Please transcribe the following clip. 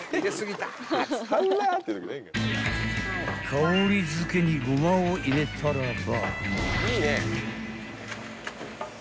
［香り付けにごまを入れたらば］